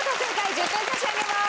１０点差し上げます！